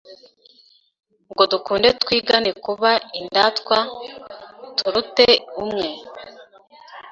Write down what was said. Ngo dukunde twigane Kuba indatwa turute umwe